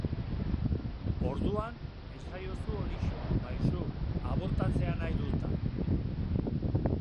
Orduan, esaiozu horixe, maisu, abortatzea nahi du eta.